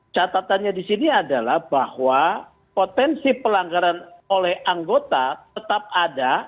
catatannya di sini adalah bahwa potensi pelanggaran oleh anggota tetap ada